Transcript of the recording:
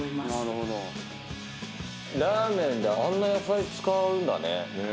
ラーメンであんな野菜使うんだね。